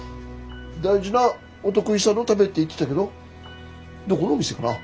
大事なお得意さんのためって言ってたけどどこのお店かな。